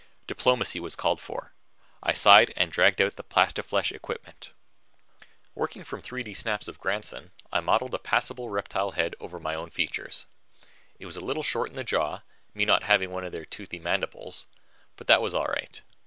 Diplomacy was called for. I sighed and dragged out the plastiflesh equipment. Working from 3D snaps of Grandson, I modeled a passable reptile head over my own features. It was a little short in the jaw, me not having one of their toothy mandibles, but that was all right.